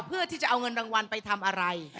เพื่อที่จะเอาเงินรางวัลไปทำอะไร